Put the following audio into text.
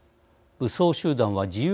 武装集団は自由